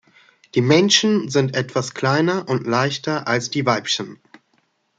Die Männchen sind etwas kleiner und leichter als die Weibchen.